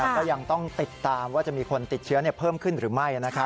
ก็ยังต้องติดตามว่าจะมีคนติดเชื้อเพิ่มขึ้นหรือไม่